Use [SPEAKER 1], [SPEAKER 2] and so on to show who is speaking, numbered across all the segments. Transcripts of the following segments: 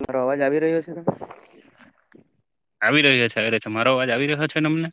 [SPEAKER 1] મારો અવાજ આવી રહ્યો છે કે.
[SPEAKER 2] આવી રહ્યો છે આવી રહ્યો છે મારો અવાજ આવી રહ્યો છે અમને.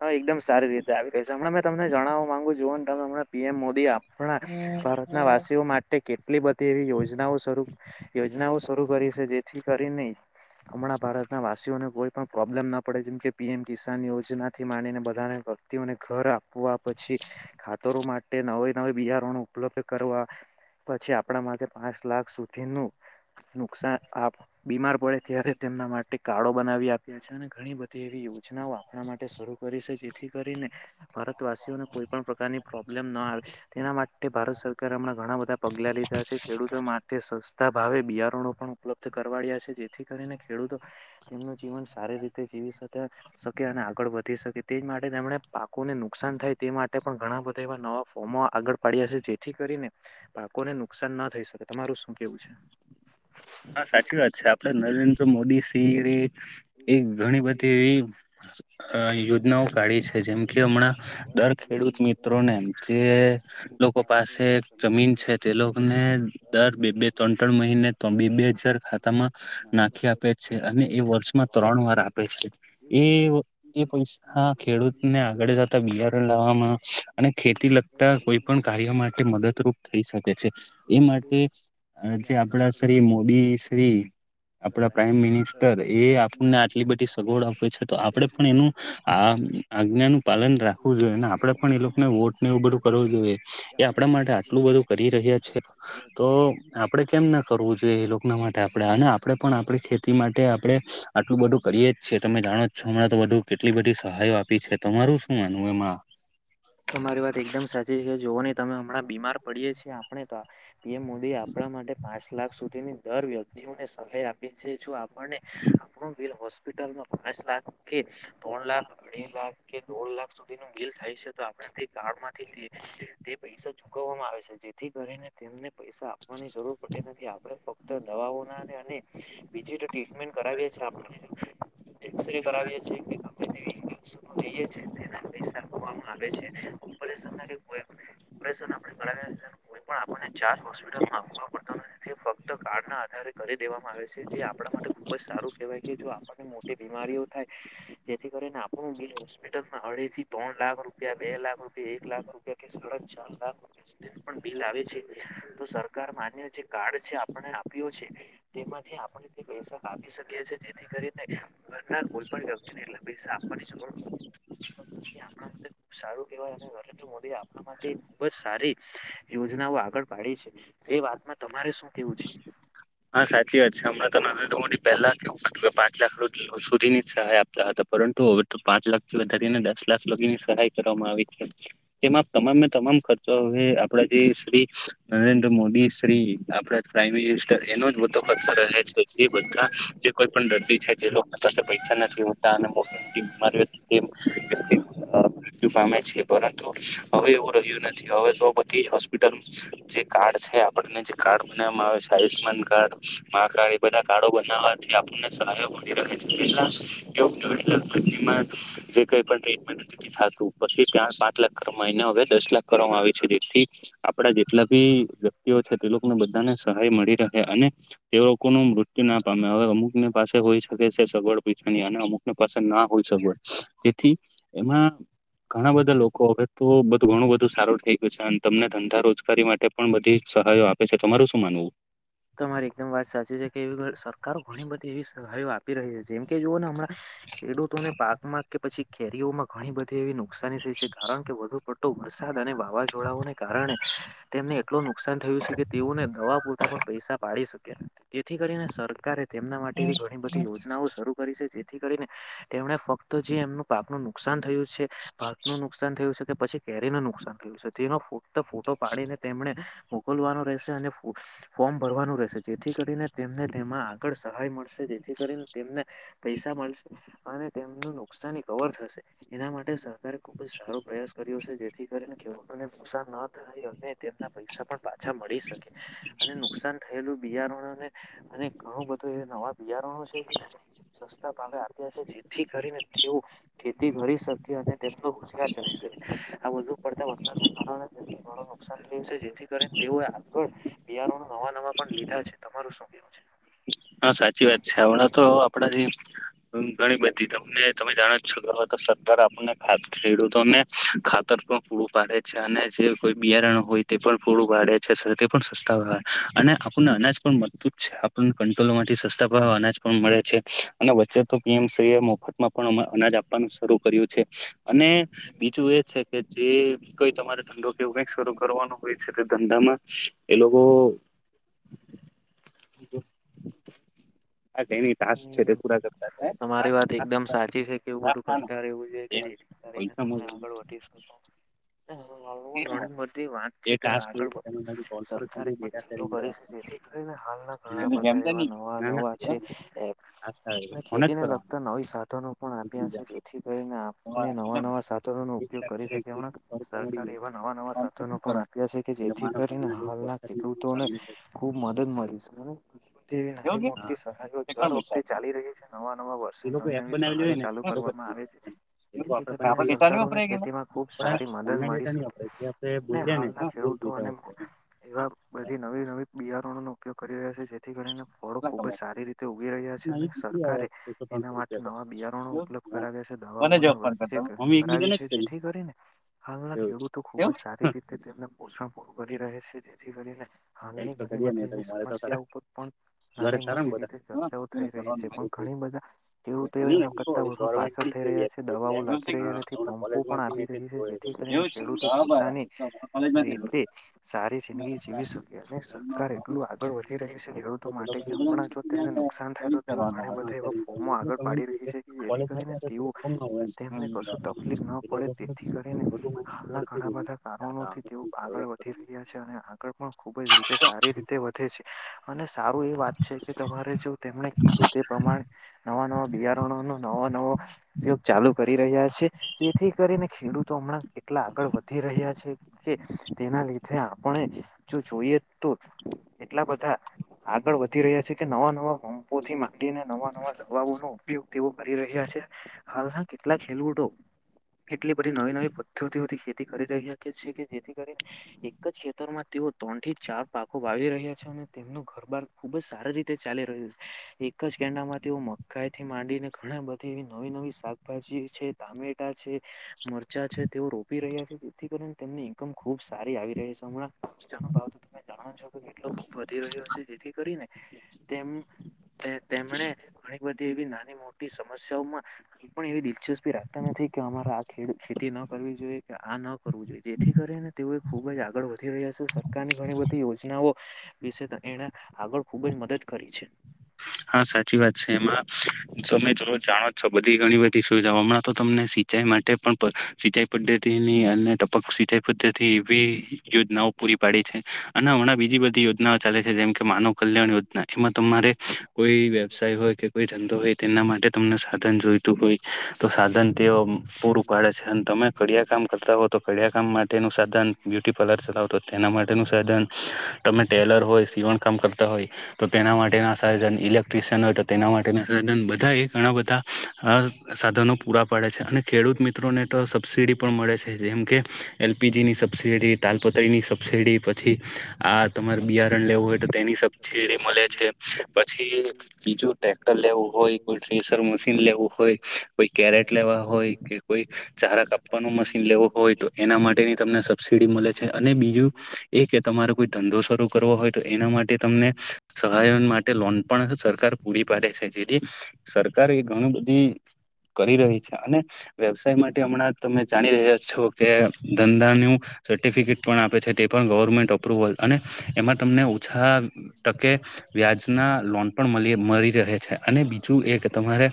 [SPEAKER 1] હ એકદમ સારી રીતે આવી રહી છે હમણાં મેં તમને જણાવવા માંગુ જોુ ને તમેમ પીએમ મોદી આપ. પણ ભારતના વાસીઓ માટે કેટલી બધી એવી યોજનાઓ સ્વરૂપ યોજનાઓ. શ કરી છે જેથી કરીને હમણાં ભારતના વાસીઓને. કોઈ પણ પ્રોબ્લેમ ના પડે જેમ કે પીએમ કિસાન યોજના. થી માનીને બધા વ્યક્તિઓને ઘર આપવા પછી ખાતરો માટે નવે નવે બિયારણું. ઉપલબ્ધ કરવા પછી આપણા માટે પાંચ લાખ સુધીનું નુકસાન આપ. બીમાર પડે ત્યારે તેમના માટે કારાળો બનાવી આપ્યા છે અને ઘણી બધી એવી યોજનાઓ આપણા માટે. જેથી કરીને ભારતવાસીઓને કોઈ પણ પ્રકારની પ્રોબ્લેમ ના આવે તેના માટે ભારત. રાજ્ય સરકારે હમણાં ઘણા બધા પગલાં લીધા છે ખેડૂતો માટે સસ્તા ભાવે બિયારણો પણ ઉપલબ્ધ કરવાડ્યા છે જે. જેથી કરીને ખેડૂતો તેમનું જીવન સારી રીતે જીવી શ શકે અને આગળ વધ. થઈ શકે તે જ માટે તેમણે પાકોને નુકસાન થાય તે માટે પણ ઘણા બધા એવા નવા ફોર્મો આગળ પાડ્યા છે. જેથી કરીને પાકોને નુકસાન ના થઈ શકે તમારું શું કેવું છે.
[SPEAKER 2] હા સાચી વાત છે આપડે નરેન્દ્ર મોદી શ એ ઘણી બધીવી અ યોજનાઓ કાઢી છે જેમ કે હમણાં દર ખેડૂત મિત્રોને જે. લોકો પાસે જમીન છે તે લોકોને દર બે બે ત્રણ ત્રણ મહિને બે બે હજાર ખાતામાં નાખી આપે છે અને એ. ત્રણ વાર આપે છે એ એ પૈસા ખેડૂત ને આગળ જતા બિાર. અને ખેતી લગતા કોઈ પણ કાર્ય માટે મદદરૂપ થઈ શકે છે એ માટે. જે આપડા શ્રી મોદી શ્રી આપડા પ્રાઈમ મિનિસ્ટર. એ આપણને આટલી બધી સગવડ આપે છે તો આપડે પણ એનું આ આજ્ઞાનુંું પાલન રાખું. જોઈને આપડે પણ એ લોકોને વોટને એવું બધું કરવું જોઈએ એ આપણા માટે આટલું બધું કરી રહ્યા છે તો આપડે કેમ ના કરવું જોઈએ એ લોકોના માટે આપણે અને આપડણે પણ આપડી ખેતી માટે આપણેે આટલું બધું કરીએ જ છે તમે જાણો જ છો હમણાં તો બધું કેટલી બધી સહાયો આપી છે. તમારું શું માનવું એમાં?
[SPEAKER 1] તમારી વાત એકદમ સાચી છે. તમે હમણાં બીમાર પડીએ છીએ આપણે તો પીએમ મોદીએ આપરા માટે પાંચ લાખ સુધીની દર વ્ય ને સહાય આપે છે આપણને આપણું બિલ હોસ્પિટલમાં પાંચ લાખ કે ત્રણ લાખ, અઢી લાખ કે દોઢ લાખ સુધીનું બિલ થાય તો આપણે તે કાર્ડમાંથી તે પૈસા ચુકવવામાં આવે છે. જેથી કરીને તેમને પૈસા ની જરૂર પડતી નથી આપડે ફક્ત દવાઓના અને બીજી ટ્રીટમેન્ટ કરાવીએ છે [inaudible] એક સરે કરાવીએ છેકે ગમે તેવી બુક્સ લઈએ છે તેના પૈસા આપવામાં આવે છે. ઓપરેશન આપરે કરાવીએ તેનુ કોઈ પણ આપણને ચાર્જ હોસ્પિટલમાં આપવો પડતો ફક્ત કાર્ડના આધારે કરી દેવામાં આવે છે જે આપણા માટે ખુબ જ સારું કેહેવાય. આપણને મોટી બીમારીઓ થાય જેથી કરીને આપણું બિલ હોસ્પિટલમાં અઢી થી ત્રણ લાખ રૂપિયા, બે લાખ રૂપિયા, એક લાખ રૂપિયા કે સાડા ચાર લાખ રૂપિયા સુધીનું પણ બિલ આવે છે તો સરકાર માન્ય જે કાર્ડ છે આપણે આપ્યો છે તેમાંથી આપણે તે પૈસા કાપી શકીએ છે. જેથી કરીને ઘરના કોઈ પણ વ્યકિતને એટલા પૈસા આપવાની જરૂર હો એ આપણા માટે ખૂબ જ સારું કેવાય અને નરેન્દ્ર મોદી એ આપણા માટે ખુબ જ સારી યોજનાઓ આગળ પાડી છે. એ વાતમાં તમારે શું કેવું છે?
[SPEAKER 2] હા, સાચી વાત છે હમણાં તો નરેન્દ્ર મોદી પેહલા પાંચ લાખ સુધીની જ સહાય આપતા હતા પરંતુ હવે તો પાંચ લાખથી વધારીને દસ લાખ સુધીની સહાય કરવામાં આવી છે તેમાં તમામને તમામ ખર્ચો હવે આપડા જે શ્રી નરેન્દ્ર મોદી શ્રી આપડા પ્રાાઈમ મિનિસ્ટર એનો જ બધો ખર્ચો રહે છે જે બધાં જે કોઈ પણ દર્દી છે જે લોકને પાસે પૈસા નથી હોતા વ્યકિત અ. પામે છે પરંતુ હવે એવું રહ્યું નથી હવે તો બધી હોસ્પિટલ જે કાર્ડ છે. આપણને જે કાર્ડ બનાવામાં આવે છે. આયુષ્માન કાર્ડ, માં કાર્ડ એ બધા કાર્ડો બનાવવાથી આપણને સહાયો મળી રહે છે કેટલા જે કઈ પણ ટ્રીટમેન્ટ નથી થાતું પછી ત્યાં પાંચ લાખ મહિના હવે દસ લાખ કરવામાં આવી છે જેથી આપડા જેટલા બી વ્યક્તિઓ છે તે લોકોને બધાને સહાય મળી રહે અને તે લોકોનું મૃત્યુનાં પામે હવે અમુકને પાસે હોઈ શકે છે સગવડ પીછાની અને અમુકની પાસેના હોય. સગવડ જેથી એમાં. ઘણાં બધાં લોકો હવે તો બધુ ઘણુ બધુ સારું થેઈ ગયું છે અને તમને ધંધા રોજગારી માટે પણ બધીજ સહાયો આપે છે. તમારું શું માનવું?
[SPEAKER 1] તમારી એકદમ વાત સાચી છેકે એવી સરકારો ઘણી બધી એવી સહાયઓ આપી રહી છે જેમ કે જુઓને હમણાં ખેડૂતોને પાકમાં કે પછી કેરીઓમાં ઘણી બધી એવી નુકસાની થઈ છે કારણ કે વધુ પટુ વરસાદ અને વાવાઝોડાઓને કારણે તેમને એટલું નુકસાન થયું છેકે તેઓને દવા પૂરતા પણ શકીએ તેથી કરીને સરકારે તેમના માટે એવી ઘણી બધી યોજનાઓ શરૂ કરી છે તે થી કરીને તેમણે ફક્ત જે એમનું પાકનું નુકસાન થયું છે, ભાતનું નુકસાન થયું છે. પછી કેરીનુ નુકસાન થયું છે તેનો ફક્ત ફોટો પાડીને તેમણે મોકલવાનો રહેશે અને ફોર્મ ભરવાનું રહેશે જેથી કરીને તેમને તેમાં આગળ સહાય મળશે જેથી કરીને તેમને પૈસા મલસે અને તેમનું નુકસાની કવર થશે એના માટે સરકારે ખુબ જ સારો પ્રયાસ કર્યો છે. જેથી કરીને ખેડૂતોને નુકસાન ન થાય અને તેમના પૈસા પણ પાછા મળી શકે અને નુકસાન થયેલું બિયારણોને અને ઘણું બધું એ નવા બિયારણો છે પાકે આપ્યા છે જેથી કરીને તેઓ ખેતી કરી શકે અને [unintelligible] આ વધુ પડતા વરસાદને કારણે તેમને ઘણું નુકસાન થયું છે જેથી કરીને તેઓએ આગળ બિયારનો નવા નવા પણ લીધા છે. તમારું શું કવું છે?
[SPEAKER 2] હા, સાચી વાત છે. હમણાં તો આપડા જે ઘણી બધી તમને તમે જાણો છો હવેતો સરકાર આપણને ખા ખેડૂતોને ખાતર પૂડું પાડે છે, અને જે કોઈ બિયારણ હોય તે પણ પૂડું પાડે છે, સાથે પણ સસ્તા અને આપણને અનાજ પણ મલતુજ છે, આપણ ક્ંટોલ માંથી સસ્તા અનાજ પણ મળે છે, અને વચ્ચે તો પીએમ શ્રી એ મોફતમાં પણ અનાજ આપવાનો શરૂ કર્યું છે, અને બીજું એ છે કે જે કોઈ તમારે ધઘો કે એવું કંઈક શરૂ કરવાનું હોય છે, તે ધંધામાં એ લોકો
[SPEAKER 1] [unintelligible]
[SPEAKER 2] [unintelligible]
[SPEAKER 1] તમારી વાત એકદમ સાચી છે, કે એવું બધું કસ્ટર એવું છે, કે જે કરીને તમે આગળ વધી શકો ઘણી બધી વાત છે, તે આગળ સરકારે પણ ચાલુ કરી છે, જેથી કરીને હાલ ઘણા ઘણા બધા એવા નવા નવા છે. ખેતીને લગતા નવી સાધનો પણ આપ્યા છે, જેથી કરીને આપને નવા નવા સાથનો નો ઉપયોગ કરી શકે એમણા સરકાર નવા નવા સાધનો પણ આપ્યા છે, કે જેથી કરીને હાલના ખેડૂતોને ખુબ મદદ મળી છે. એવી નાની મોટી સહાય દર વખતે ચાલી રહ્યું છે, નવા નવા વર્ષે નવી નવી સહાયો ચાલુ કરવામાં આવે છે. જેથી કરીને સરકારો ને ખેતીમાં ખુબ સારી મદદ મળી શકે હાલના ખેડૂતો અને એવા બધી નવી નવી બિયારણોનો ઉપયોગ કરી રહ્યા છે, જેથી કરીને ફળો ખુબ જ સારી રીતે ઉગી રહ્યા છે, અને સરકારે એના માટે નવા બિયારણો ઉપલબ્ધ કરાવ્યા છે, દવાઓને વચે કરાવી છે, જેથી કરીને હાલના ખેડૂતો ખુબ જ સારી રીતે તેમને પોષણ પુંરુ કરી રહ્યા છે. જેથી કરીને હાલની ઘણી બધી સમસ્યા ઉપ પણ નાની મોટી રીતે ચર્ચાઓ થઈ રહી છે, પણ ઘણી બધા કેવું કરતા વધુ પાછળ થઈ રહ્યા છે, દવાઓ લાખી થી પમપો પણ આપી રહી છે, જેથી કરીને ખેડૂતો પોતાની રીતે સારી જિંદગી જીવી શકી અને સરકાર એટલું આગળ વધી રહી છે, ખેડૂતો માટે કે હમણાં જો તેમને નુકસાન થાયે તો તેવ ઘણી બધા એવા ફોર્મો આગળ પાડી રહી છે, કે જેથી કરીને તેઓ કશું તકલીફ ના પડે તેથી કરીનેના ઘણા બધા કારણોથી તેવું આગળ વધી આ પણ ખુબ જ રીતે સારી રીતે વધે છે, અને સારું એ વાત તમારે તેમણે કીધું તે પ્રમાણે નવા નવા બિયારણોનો નવા નવો ઉપયોગ ચાલુ કરી રહ્યા છે, જેથી કરીને ખેડૂતો હમણાં એટલા આગળ વધી રહ્યા છે, કે તેના લીધે આપણે જો જોઈએ તો એટલા બધા આગળ વધી રહ્યા છે. નવા નવા પંપોથી માંડીને નવા નવા દવાઓ નો ઉપયોગ તેઓ કરી રહ્યા છે, હાલના એટલા ખેલુઠો એટલી બધી નવી નવી પદ્ધતિઓથી ખેતી કરી રહી શ છે, કે જેથી કરીને એક જ ખેતરમાં ત્રણ થી ચાર પાકો વાવી રહ્યા છે, અને તેમનું ઘરબાર ખુબ જ સારી રીતે ચાલી રહ્યું છે, એક જ કેડામાં તેઓ મકાઈ થી માંડીને ઘણા બધી એવી નવી નવી શાકભાજી છે, ટામેટા છે, મરચા છે, તેઓ રોપી રહ્યા છે, તેથી કરીને તેમની ઇન્કમ ખુબ સારી આવી રહી છે, હમણાં [unintelligible] તમે જાણો છો કેટલો ખ વધી રહ્યો છે, જેથી કરીને તેમ તેમણે બધી એવી નાની મોટી સમસ્યાઓમાં કોઈ પણ એવી દિલચસ્પી રાખતા નથી કે અમારા આ ખેડ ખેતી ના કરવી જોઈએ કે આ ન કરવું જોઈએ જેથી કરીને તેઓએ ખૂબ જ આગળ વધી રહ્યા છે, સરકારની ઘણી બધી યોજના [unintelligible] વિશે એણે આગળ ખૂબ જ મદદ કરી છે.
[SPEAKER 2] હા સાચી વાત છે, એમાં તમે જો જાણો છો, બધી ઘણી બધી સુવિધા હમણાં તો તમને સી ચાઈ માટે પણ સિંચાઈ પદ્ધતિની અને ટપક સિંચાઈ પદ્ધતિ એવી યોજનાઓ પૂરી પાડી છે, અને હમણાં બીજી બધી યોજનાઓ ચાલે છે જેમ કે માનવ કલ્યાણ યોજના એમાં તમારે વ્યવસાય હોય કે કોઈ ધંધો હોય તેના માટે તમને સાધન જોઈતું હોય તો સાધન તે પૂરું પાડે છે, અને તમે કડિયા કામ કરતા હો તો કડિયા કામ માટેનું સાધન બ્યુટી પાર્લર ચલાવો તો તેના માટેનુ સાધન તમે ટેલર હોય સીવણ કામ કરતા હોય તો તેના માટે ના સાજન [unintelligible] તેના માટે બધા એ ઘણા બધા અ સાધનો પૂરા પાડે છે અને ખેડૂત મિત્રોને તો સબસિડી પણ મળે છે જેમ કે એલ પી. જી. ની સબસિડી તાલપત્રીની સબસિડી પછી આ તમારે બિયારણ લેવું હોય તો તેની સબસડી મળે છે પ બીજું ટ્રેક્ટર લેવું હોય કોઈ ટ્રેસર મશીન લેવું હોય કોઈ કેરેટ લેવા હોય કોઈ ચારા કાપવાનો મશીન લેવુ હોય તો એના માટેની તમને સબસિડી મળે છે અને બીજુ એ કે તમારે કોઈ ધંધો શરૂ કરવો હોય તો એના માટે તમને સહાયન મા લોન પણ સરકાર પૂરી પાડે છે જેથી સરકાર એ ઘણી બધી કરી રહી છે અને વ્યવસાય માટે હમણાં તમે જાણી રહ્યા છો કે ધંધાનું સર્ટિફિકેટ પણ આપે છે તે પણ ગવ વર્મેન્ટ અપ્રુવલ અને એમાં તમને ઓછા ટકે વ્યાજ ના લોન પણ મલી મળી રહે છે અને બીજું એક તમારે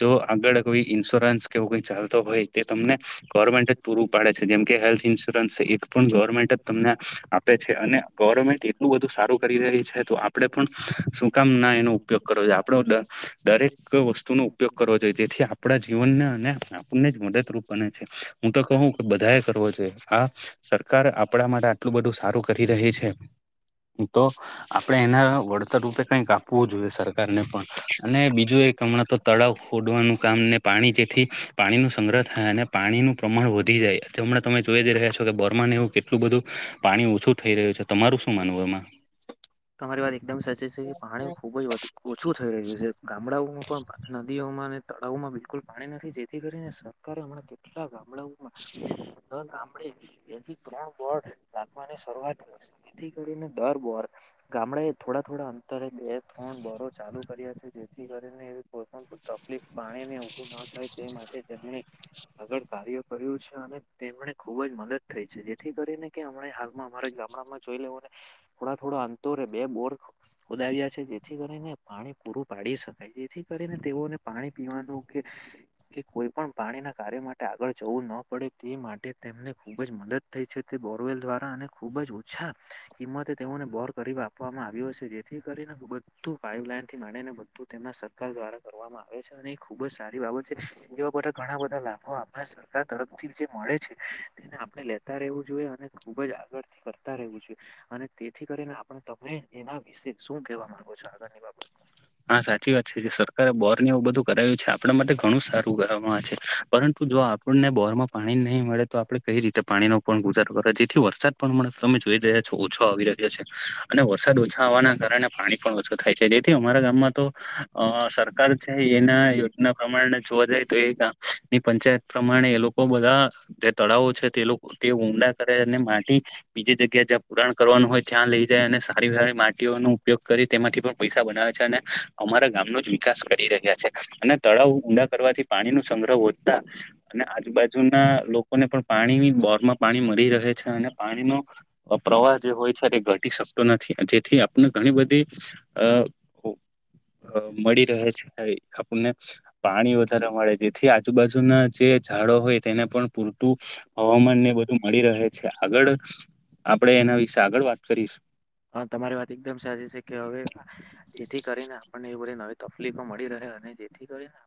[SPEAKER 2] જો આગળ કોઈ ઇન્સોરન્ સ કે ચાલતો હોય તે તમને ગવર્મેન્ટ જ પૂરું પાડે છે, જેમ કે હેલ્થ ઇન્સ્યોરન્સ એક પણ ગવ વર્મેન્ટ જ તમને આપે છે અને ગવર્મેન્ટ એટલું બધું સારું કરી રહી છે તો આપણે પણ હું કામ ના એનો ઉપયોગ કરવો જોઈએ આપણો દ દરેક વસ્તુનો ઉપયોગ કરવો જોઈએ જેથી આપણા જીવનને અને આપણે જ મદદરૂપ બને છે હું તો કહું કે બધા કરવો જોઈએ આ સરકાર આપડા માટે આટલું બધું સારું કરી રહી છે તો આપણે એના વળતર રૂપે કંઈક આપવું જોઈએ સરકાર ને પણ અને બીજું એક હમણાં તો તળાવ ખોડવાનું કામ ને પાણી જે થી પાણી નો સંગ્રહ થાય અને પાણીનું પ્રમાણ વધી જાય એ હમણાં તમે જોઈ રહ્યા છો કે બોર્માને એવું કે એટલું બધું પાણી ઓછું થઈ રહ્યું છે તમારું શું માનવું એમાં.
[SPEAKER 1] પાણી ખુબ જ વધી ઓછું થઈ રહ્યું છે ગામડાઓમાં પણ નદીઓમાંને તળાવમાં બિલકુલ પાણી નથી જેથી કરીને સરકારે હમણાં કેટલા ગામડાઓમાં ન ગામડે બેથી ત્રણ વોડ રાખવાની શરૂઆત કરશે, જેથી કરીને દર બોર ગામડા એ થોડા થોડા અંતરે બે ત્રણ બોરો ચાલુ કર્યા છે જેથી કરીને એવી કોઈ પણ તકલીફ પાણીને ઉભું ન થાય તે માટે તેમણે આગળ કાર્ય કર્યું છે અને તેમને ખુબ જ મદદ થઈ છે જેથી કરીને હમણાં હાલમાં અમારા ગામડામાં જોઈ લેવોને થોડા થોડા અંતરે બે બોર ખોદાવ્યા છે જેથી કરીને પાણી પૂરું પાડી શકાય જેથી કરીને તેઓને પાણી પીવાનું કે કે કોઈ પણ પાણીના કાર્ય માટે આગળ જવું ના પડે તે માટે તેમને ખુબ જ મદદ થઈ છે. તે બોરવેલ દ્વારા અને ખૂબ જ ઓછા કિંમતે તેઓને બોર કરી આપવામાં આવ્યો છે જેથી કરી બધું પાઇપલાઇનથી માંડી ને બધું તેમના સરકાર દ્વારા કરવામાં આવે છે, અને એ ખૂબ જ સારી બાબત છે. એવા બધા ઘણા બધા લાભો આપણા સરકાર તરફથી જે મળે છે તેને આપણે લેતા રહેવું જોઈએ અને ખુબ જ આગળથી રહેવું જોએ અને તેથી કરીને આપણે તમે એના વિશે શું કહેવા માંગો છો આગળની બાબતમાં
[SPEAKER 2] હા સાચી વાત છે સરકારે બોરને એવું બધું કરાવ્યું છે આપણા માટે ઘણું સારું કરવામાં આવે છે. પરંતુ જો આપણને બોરમાં પાણી નહીં મળે તો આપડે કઈ રીતે પાણીનો પણ ગુજારો કરવો જેથી વરસાદ તમે જોઈ રહ્યા છો ઓછો આવી રહ્યો છે અને વરસાદ ઓછા આવવાના કારણે પાણી પણ ઓછું થાય છે જે જેથી અમારા ગામમાં તો અ સરકાર છે એના યોજના પ્રમાણે જોવા જાય તો એક આ ની પંચાયત પ્રમાણે એ લોકો બધા જે તળાવો છે તે લોકો તે ઊંડા કરે અને માટી બીજી જગ્યા જ્યાં પુરાણ કરવાનું હોય ત્યાં લઈ જાય અને સારી સારી માટીઓ નો ઉપયોગ કરી તેમાંથી પણ પૈસા બનાવે છે અને અમારા ગામ નો જ વિકાસ કરી રહ્યા છે અને તળાવો ઊંડા કરવાથી પાણી નો સં સંગ્રહ વધતા અને આજુબાજુના લોકોને પણ પાણી બોર માં પાણી મળી રહે છે અને પાણીનો પ્રવાહ જે હોય છે તે ઘટી શકતો નથી જેથી આપણે ઘણી બધી અ [inaudible] મળી રહે છે આપણને પાણી વધારે મળે જેથી આજુબાજુના જે ઝાડો હોય તેને પણ પૂરતું હવામાન ને બધુ મળી રહે છે આગળ આપડે એના વિશે આગળ વાત કરીશું.
[SPEAKER 1] હા તમારી વાત એકદમ સાચી છે કે હવે એથી કરીને પણને એ બધી નવી તકલીફો મળી રહે અને જેથી કરીને